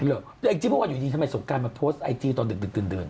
แต่อีกจิ๊บพอว่าอยู่นี่ทำไมสงกาลมาโพสต์อายจีตรณ์ติดเดิน